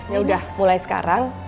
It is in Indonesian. yaudah mulai sekarang